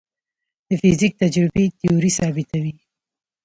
د فزیک تجربې تیوري ثابتوي.